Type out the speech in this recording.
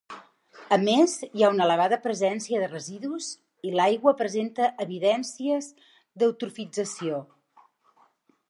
A més hi ha una elevada presència de residus i l'aigua presenta evidències d’eutrofització.